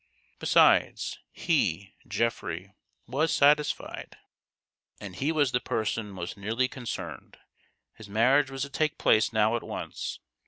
Besides, he (Geoffrey) was satisfied, and he was the person most nearly concerned. His marriage was to take place now at once.